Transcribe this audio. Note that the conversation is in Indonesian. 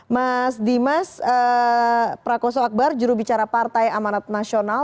mas dimas prakoso akbar jurubicara partai amanat nasional